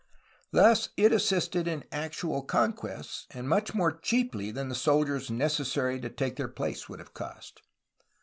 Thus it assisted in actual conquests — and much more cheaply than the soldiers necessary to take their place would have cost.